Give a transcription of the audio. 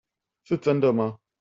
是真的嗎？